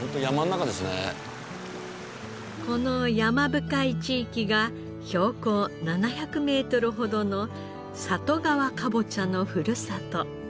この山深い地域が標高７００メートルほどの里川かぼちゃのふるさと。